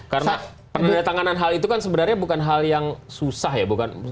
karena penandatanganan hal itu kan sebenarnya bukan hal yang susah ya